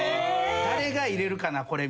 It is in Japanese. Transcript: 誰が入れるかなこれみたいな。